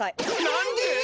何で？